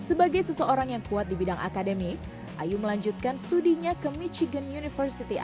sebagai seseorang yang kuat di bidang akademik ayu melanjutkan studinya ke mitchigan university